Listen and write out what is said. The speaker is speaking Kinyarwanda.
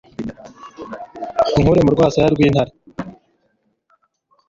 unkure mu rwasaya rw'intare